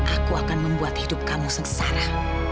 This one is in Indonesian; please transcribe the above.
aku akan membuat hidup kamu sengsara